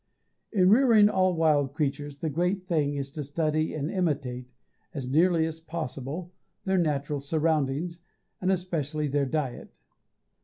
In rearing all wild creatures the great thing is to study and imitate, as nearly as possible, their natural surroundings, and especially their diet.